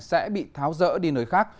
sẽ bị tháo dỡ đi nơi khác